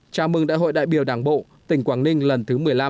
chào mừng đại hội đại biểu đảng bộ tỉnh quảng ninh lần thứ một mươi năm